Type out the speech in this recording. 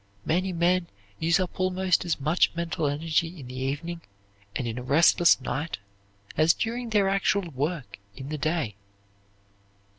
Many men use up almost as much mental energy in the evening and in a restless night as during their actual work in the day.